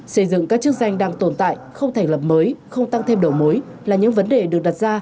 xây dựng các chức danh đang tồn tại không thành lập mới không tăng thêm đầu mối là những vấn đề được đặt ra